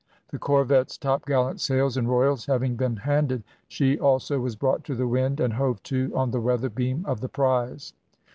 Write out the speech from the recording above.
The corvette's topgallant sails and royals having been handed, she also was brought to the wind and hove to on the weather beam of the prize.